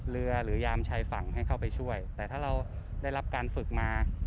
เรือหรือยามชายฝั่งให้เข้าไปช่วยแต่ถ้าเราได้รับการฝึกมา